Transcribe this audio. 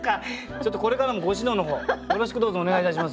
ちょっとこれからもご指導の方よろしくどうぞお願いいたします